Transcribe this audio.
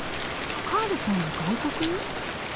カールさんが外国に？